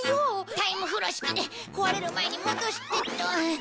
タイムふろしきで壊れる前に戻してと。